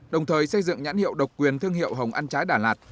đồng thời xây dựng nhãn hiệu độc quyền thương hiệu hồng ăn trái đà lạt